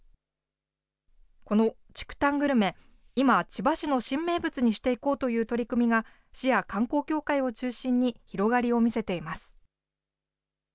この竹炭グルメ、今、千葉市の新名物にしていこうという取り組みが、市や観光協会を中心に広がりを見せています。